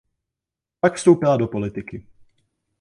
Pak vstoupila do politiky.